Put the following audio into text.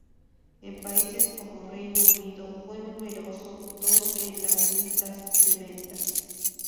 En países como Reino Unido fue número dos en las listas de ventas.